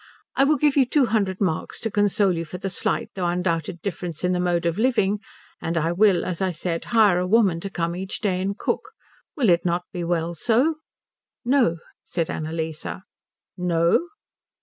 I will give you two hundred marks to console you for the slight though undoubted difference in the mode of living, and I will, as I said, hire a woman to come each day and cook. Will it not be well so?" "No," said Annalise. "No?"